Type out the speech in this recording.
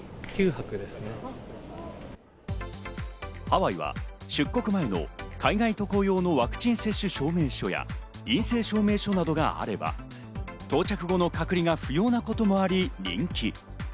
ハワイは出国前の海外渡航用のワクチン接種証明書や、陰性証明書などがあれば到着後の隔離が不要なこともあり人気。